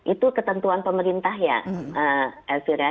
itu ketentuan pemerintah ya